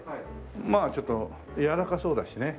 まあちょっとやわらかそうだしね。